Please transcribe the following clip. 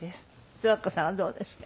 十和子さんはどうですか？